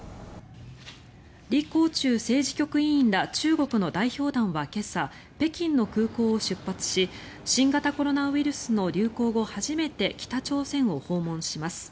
リ・コウチュウ政治局委員ら中国の代表団は今朝北京の空港を出発し新型コロナウイルスの流行後初めて北朝鮮を訪問します。